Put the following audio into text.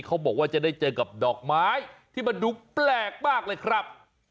เขาบอกว่าจะได้เจอกับดอกไม้ที่มันดูแปลกมากเลยครับ